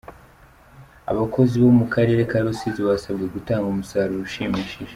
Abakozi bo mu karere ka Rusizi basabwe gutanga umusaruro ushimishije.